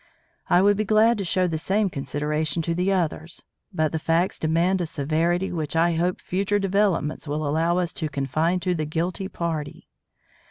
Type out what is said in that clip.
I would be glad to show the same consideration to the others; but the facts demand a severity which I hope future developments will allow us to confine to the guilty party.